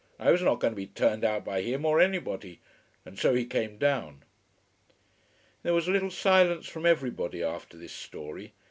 I was not going to be turned out by him or anybody. And so he came down." There was a little silence from everybody after this story.